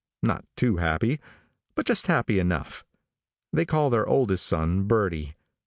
Not too happy, but just happy enough. They call their oldest son Birdie.